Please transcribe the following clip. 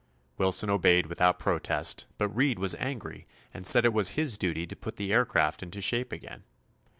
Wilson obeyed without protest, but Reed was angry and said it was his duty to put the aircraft into shape again.